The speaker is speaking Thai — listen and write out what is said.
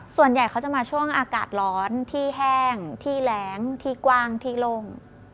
ส่วนใหญ่เขาจะมาช่วงอากาศร้อนที่แห้งที่แรงที่กว้างที่โล่ง